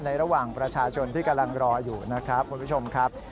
ระหว่างประชาชนที่กำลังรออยู่นะครับคุณผู้ชมครับ